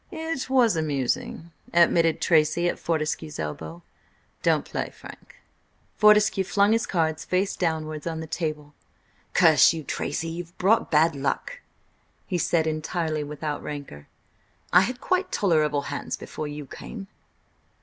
"It was amusing," admitted Tracy at Fortescue's elbow. "Don't play, Frank." Fortescue flung his cards face downwards on the table. "Curse you, Tracy, you've brought bad luck!" he said entirely without rancour. "I had quite tolerable hands before you came."